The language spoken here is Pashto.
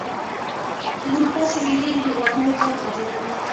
د اروپا سوېلي هېوادونو ته وغځېدل.